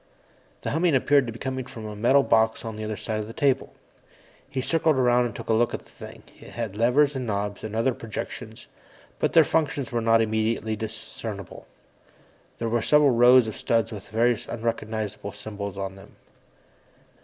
The humming appeared to be coming from a metal box on the other side of the table. He circled around and took a look at the thing. It had levers and knobs and other projections, but their functions were not immediately discernible. There were several rows of studs with various unrecognizable symbols on them.